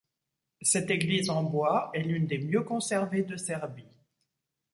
Cette église en bois est l'une des mieux conservées de Serbie.